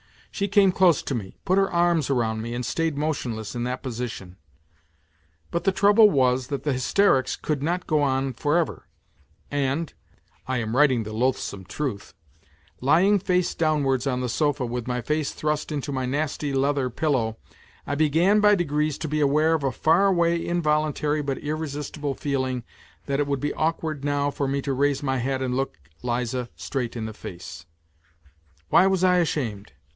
She came close to me, put her arms round me and stayed motionless in that position. But the trouble was that the hysterics could not go on for ever, and (I am writing the loathsome truth) lying face downwards on the sofa with my face thrust into my nasty leather pillow, I began by degrees to be aware of a far away, involuntary but irresistible feeling that it would be awkward now for me to raise my head and look Liza straight in the face. Why was I ashamed